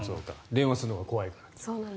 電話するのが怖いから。